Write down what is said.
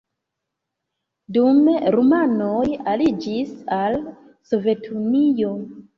Dume rumanoj aliĝis al Sovetunio.